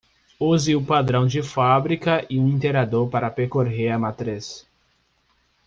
Use o padrão de fábrica e um iterador para percorrer a matriz.